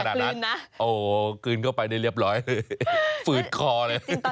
แต่อย่ากลืนนะโอ้โหกลืนเข้าไปได้เรียบร้อยฝืดคอเลย